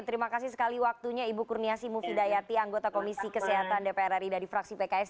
terima kasih sekali waktunya ibu kurniasi mufidayati anggota komisi kesehatan dpr ri dari fraksi pks